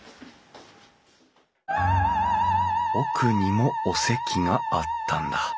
奥にもお席があったんだ。